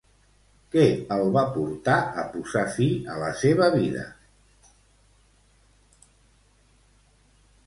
Què el va portar a posar fi a la seva vida?